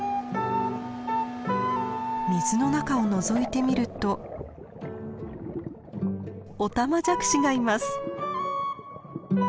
水の中をのぞいてみるとオタマジャクシがいます。